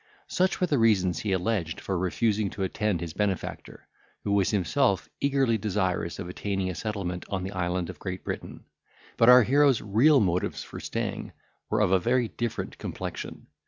Such were the reasons he alleged for refusing to attend his benefactor, who was himself eagerly desirous of attaining a settlement in the island of Great Britain. But our hero's real motives for staying were of a very different complexion.